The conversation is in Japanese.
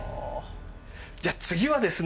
じゃあ次はですね